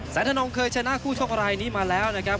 ธนงเคยชนะคู่ชกรายนี้มาแล้วนะครับ